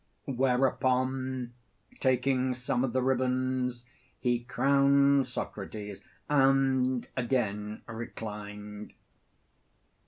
Whereupon, taking some of the ribands, he crowned Socrates, and again reclined.